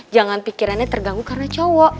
jangan pikirannya terganggu karena cowok